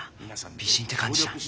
美人って感じじゃん。